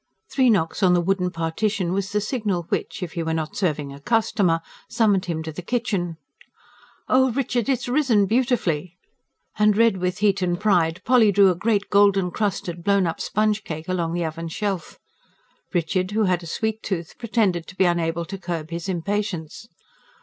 Three knocks on the wooden partition was the signal which, if he were not serving a customer, summoned him to the kitchen. "Oh, Richard, it's ripen beautifully!" And, red with heat and pride, Polly drew a great golden crusted, blown up sponge cake along the oven shelf. Richard, who had a sweet tooth, pretended to be unable to curb his impatience.